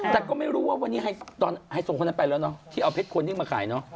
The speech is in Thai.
แต่ก็ไม่รู้ว่าที่ไฮโซโคนนั้นไปแล้วที่เอาเพชรโคนนิ่งมาขาย